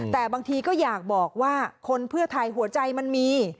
แต่บางทีก็อยากบอกว่าคนเพื่อไทยหัวใจมันมี